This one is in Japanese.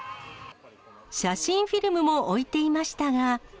写真フィルムも置いていましたが。